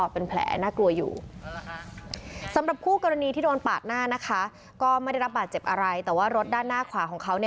ผู้ปากนี้ก็ด้านหน้าขวาคือว่า